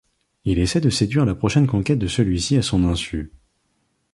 Il essaye de séduire la prochaine conquête de celui-ci à son insu.